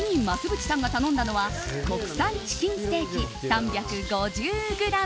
ぶちさんが頼んだのは国産チキンステーキ、３５０ｇ。